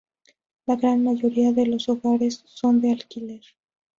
La gran mayoría de los hogares son de alquiler.